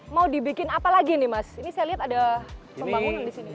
mau dibikin apa lagi nih mas ini saya lihat ada pembangunan di sini